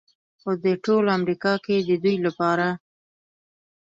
خو په ټول امریکا کې د دوی لپاره